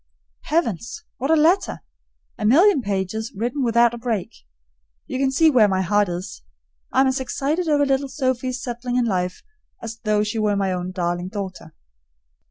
Heavens! what a letter! A million pages written without a break. You can see where my heart is. I'm as excited over little Sophie's settling in life as though she were my own darling daughter.